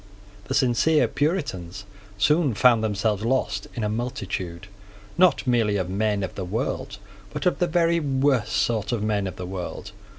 The sincere Puritans soon found themselves lost in a multitude, not merely of men of the world, but of the very worst sort of men of the world.